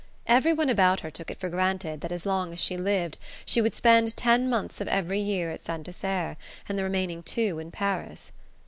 Every one about her took it for granted that as long as she lived she would spend ten months of every year at Saint Desert and the remaining two in Paris.